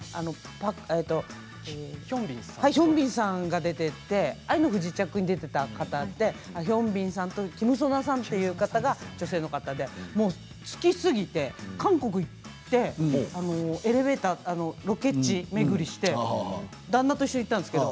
ヒョンビンさんが出ていて「愛の不時着」に出ていた方でヒョンビンさんとキム・ソナさんという女性の方が出ていて好きすぎて、韓国に行ってロケ地巡りをして旦那と行ったんですけれど。